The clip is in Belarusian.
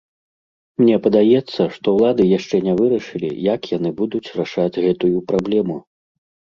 Мне падаецца, што ўлады яшчэ не вырашылі, як яны будуць рашаць гэтую праблему.